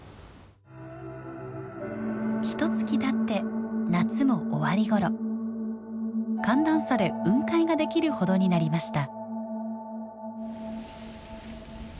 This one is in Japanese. ひとつきたって夏も終わり頃寒暖差で雲海ができるほどになりました。